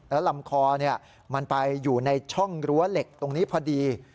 แล้วลำคอมันไปอยู่ในช่องรั้วเหล็กตรงนี้พอดี